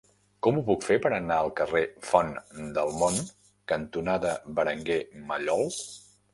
Com ho puc fer per anar al carrer Font del Mont cantonada Berenguer Mallol?